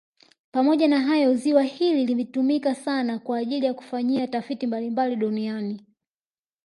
Pamoja na hayo ziwa hili limetumika sana kwa ajili ya kufanyia tafiti mbalimbali duniani